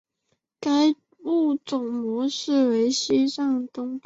该物种的模式产地在西藏东部。